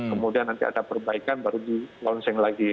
kemudian nanti ada perbaikan baru di launching lagi